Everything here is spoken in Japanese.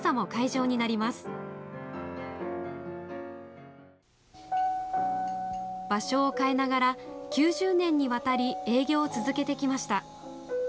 場所を変えながら９０年にわたり営業を続けてきました。